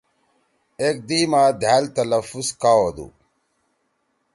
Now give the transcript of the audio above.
ایک دیئ ما دھأل تلفظ کا ہودُو؟